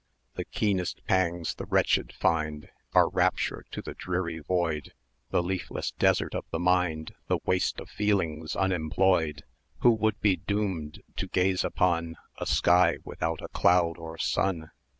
The keenest pangs the wretched find Are rapture to the dreary void, The leafless desert of the mind, The waste of feelings unemployed. 960 Who would be doomed to gaze upon A sky without a cloud or sun?